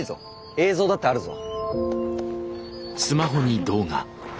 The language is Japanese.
映像だってあるぞ。